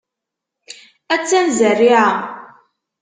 Attan zerriɛa.